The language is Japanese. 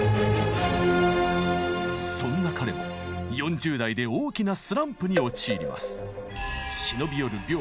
そんな彼も４０代で大きなスランプに陥ります。